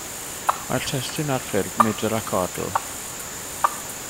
Mae'r testun ar ffurf mydr ac odl.